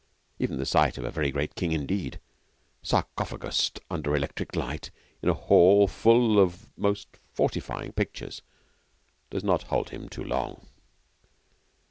Even the sight of a very great king indeed, sarcophagused under electric light in a hall full of most fortifying pictures, does not hold him too long.